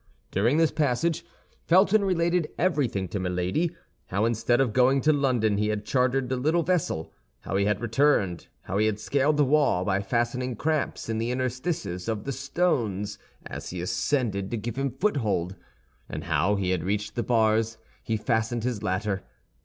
During this passage, Felton related everything to Milady—how, instead of going to London, he had chartered the little vessel; how he had returned; how he had scaled the wall by fastening cramps in the interstices of the stones, as he ascended, to give him foothold; and how, when he had reached the bars, he fastened his ladder.